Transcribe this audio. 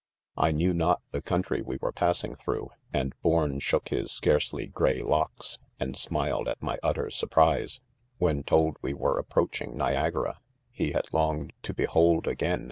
'Ikriew not the ; country we'" were passing through^ and Bburn shook his scarcely gray locks, and smiled at my' utter surprise, wlien" fold We wore ifiproaenin'g Niagara. He hsi/d longed tobeholdV again'.